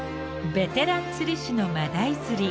ベテラン釣り師の真鯛釣り。